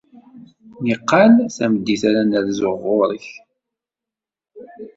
Nniqal tameddit ara nerzuɣ ɣer-k.